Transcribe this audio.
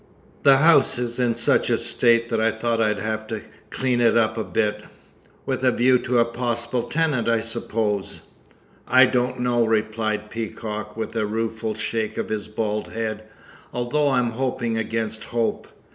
"The house is in such a state that I thought I'd have it cleaned up a bit." "With a view to a possible tenant, I suppose?" "I don't know," replied Peacock, with a rueful shake of his bald head, "although I'm hoping against hope.